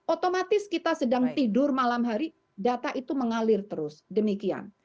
otomatis kita sedang tidur malam hari data itu mengalir terus demikian